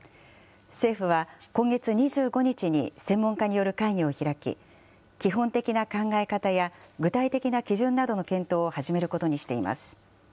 政府は今月２５日に専門家による会議を開き、基本的な考え方や具体的な基準などの検討を始めることにしています。